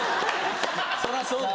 そりゃそうだ